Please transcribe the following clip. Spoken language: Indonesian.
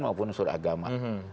maupun unsur agama